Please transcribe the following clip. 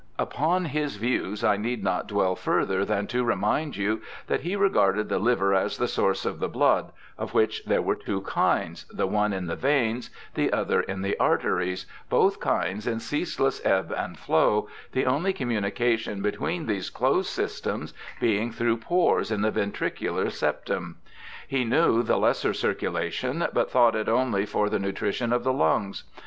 Upon his views I need not dwell further than to remind you that he regarded the liver as the source of the blood, of which there were two kinds, the one in the veins, the other in the arteries, both kinds in ceaseless ebb and flow, the only communication between these closed systems being through pores in the ventricular septum. He knew the lesser circulation, but thought it only for the nutrition of the lungs.